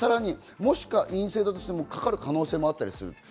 もし陰性だとしてもかかる可能性もあったりする。